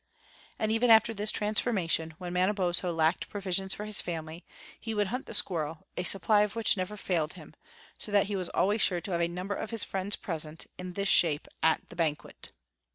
And even after this transformation, when Mana bozho lacked provisions for his family, he would hunt the squirrel, a supply of which never failed him, so that he was always sure to have a number of his friends present, in this shape, at the banquet.